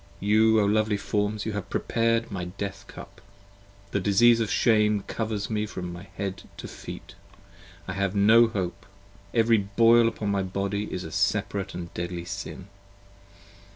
You O lovely forms, you have prepared my death cup: The disease of Shame covers me from head to feet: I have no hope. Every boil upon my body is a separate & deadly Sin.